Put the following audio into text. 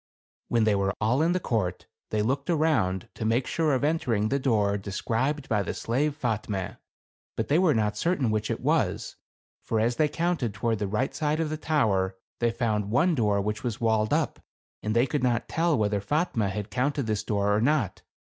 When they were all in the court, they looked around to make sure of entering the door de scribed by the slave Fatme. But they were not certain which it was ; for as they counted toward the right side of the tower, they found one door which was walled up, and they could not tell whether Fatme had counted this door or not.